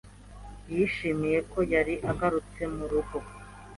yishimiye ko yari agarutse mu rugo